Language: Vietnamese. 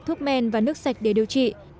thuốc men và nước sạch để điều trị